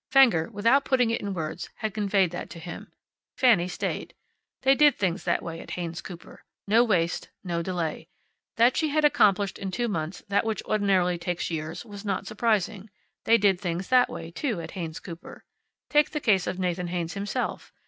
Fenger, without putting it in words, had conveyed that to him. Fanny stayed. They did things that way at Haynes Cooper. No waste. No delay. That she had accomplished in two months that which ordinarily takes years was not surprising. They did things that way, too, at Haynes Cooper. Take the case of Nathan Haynes himself.